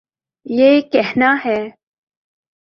یہ کہنا ہے۔